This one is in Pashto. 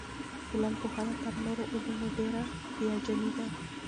ټولنپوهنه تر نورو علومو ډېره هیجاني ده.